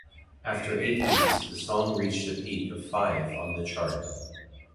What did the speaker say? After eight weeks, the song reached a peak of five on the chart.